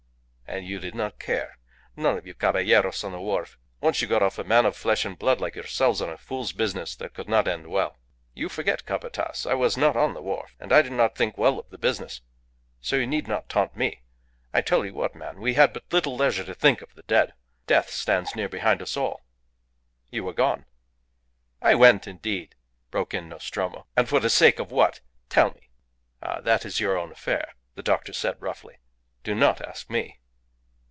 "And you did not care none of you caballeros on the wharf once you got off a man of flesh and blood like yourselves on a fool's business that could not end well." "You forget, Capataz, I was not on the wharf. And I did not think well of the business. So you need not taunt me. I tell you what, man, we had but little leisure to think of the dead. Death stands near behind us all. You were gone." "I went, indeed!" broke in Nostromo. "And for the sake of what tell me?" "Ah! that is your own affair," the doctor said, roughly. "Do not ask me."